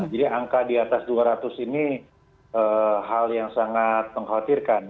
jadi angka di atas dua ratus ini hal yang sangat mengkhawatirkan